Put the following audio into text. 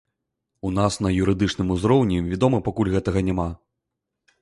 У нас на юрыдычным узроўні, вядома, пакуль гэтага няма.